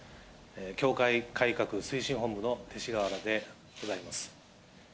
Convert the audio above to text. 教会改革推進本部の勅使河原でございます。